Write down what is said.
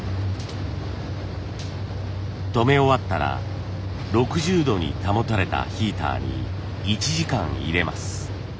とめ終わったら６０度に保たれたヒーターに１時間入れます。